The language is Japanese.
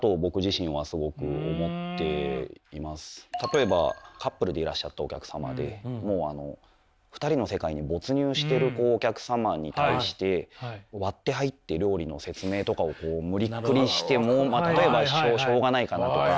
例えばカップルでいらっしゃったお客様でもうあの２人の世界に没入してるお客様に対して割って入って料理の説明とかを無理くりしても例えばしょうがないかなとか。